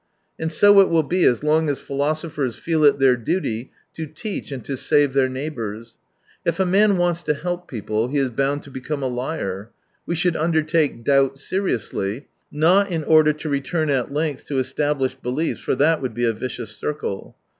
And so it will be, as long as philosophers feel it their duty to teach and to save their neighbours. If a man wants to help people, he is bound to become a liar. We should undertake doubt seriously, not in order to return at length to established beliefs, for that would be a vicious circle.